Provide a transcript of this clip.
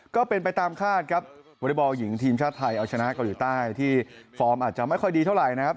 ก็เป็นไปตามคาดครับวอเล็กบอลหญิงทีมชาติไทยเอาชนะเกาหลีใต้ที่ฟอร์มอาจจะไม่ค่อยดีเท่าไหร่นะครับ